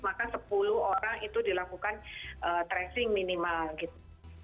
maka sepuluh orang itu dilakukan tracing minimal gitu